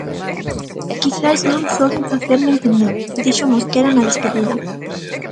"Quizais non souben facerme entender", dixo Mosquera na despedida.